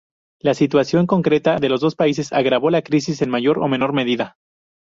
La situación concreta de los países agravó la crisis en mayor o menor medida.